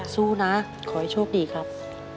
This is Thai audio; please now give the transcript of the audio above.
สู้นะขอให้โชคดีครับ